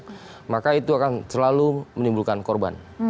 kalau sistem ini matang maka itu akan selalu menimbulkan korban